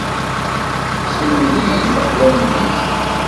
Sselmed-iyi leqwanen-ik.